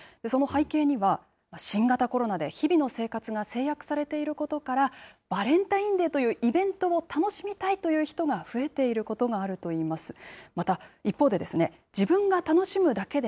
その背景には、新型コロナで日々の生活が制約されていることから、バレンタインデーというイベントを楽しみたいという人が増えていることがあるといいます。